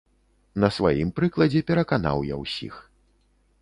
На сваім прыкладзе пераканаў я ўсіх.